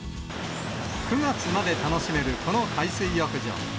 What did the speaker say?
９月まで楽しめるこの海水浴場。